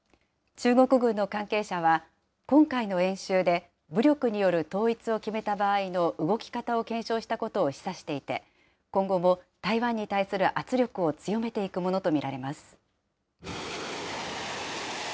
中国軍の関係者は、今回の演習で武力による統一を決めた場合の動き方を検証したことを示唆していて、今後も台湾に対する圧力を強めていくものと見られます。